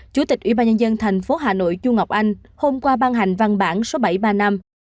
chủ tịch ủy ban nhân dân thành phố hà nội chu ngọc anh hôm qua ban hành văn bản số bảy mươi ba năm